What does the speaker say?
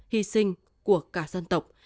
hy sinh của cả dân tộc